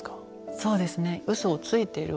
そうですね。